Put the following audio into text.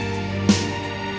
nama itu apa